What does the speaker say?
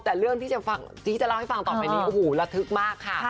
แต่เรื่องที่จะเล่าให้ฟังต่อไปนี้โอ้โหระทึกมากค่ะ